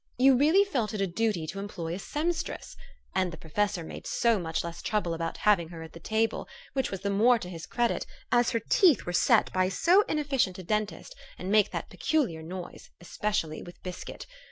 you really felt it a duty to employ a seamstress ; and the professor made so much less trouble about having her at the table ; which was the more to his credit, as her teeth were set by so inefficient a dentist, and make that peculiar noise, especially with biscuit.